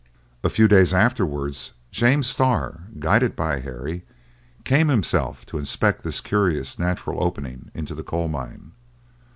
A few days afterwards, James Starr, guided by Harry, came himself to inspect this curious natural opening into the coal mine.